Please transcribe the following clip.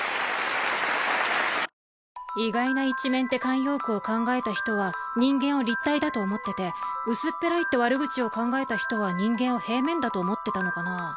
「意外な一面」って慣用句を考えた人は人間を立体だと思ってて「薄っぺらい」って悪口を考えた人は人間を平面だと思ってたのかなぁ。